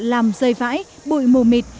làm rơi vãi bụi mù mịt